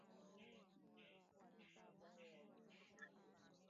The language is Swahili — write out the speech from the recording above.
tafuta mtum anayeweza kuchukua jukumu la mtaalamu